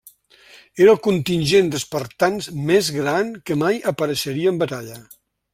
Era el contingent d'espartans més gran que mai apareixeria en batalla.